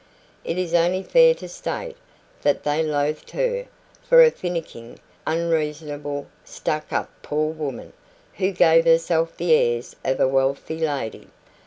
It is only fair to state that they loathed her for a finicking, unreasonable, stuck up poor woman, who gave herself the airs of a wealthy lady.